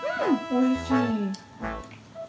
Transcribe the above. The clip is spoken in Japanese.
おいしい。